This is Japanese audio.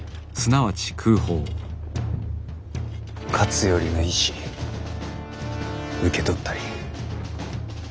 勝頼の意思受け取ったり。